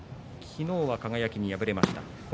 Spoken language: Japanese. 昨日は輝に敗れました。